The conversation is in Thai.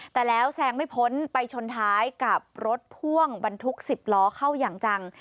แต่แล้วแซงไม่พ้นไปชนท้ายกับรถพ่วงบรรทุก๑๐ล้อเข้าอย่างจัง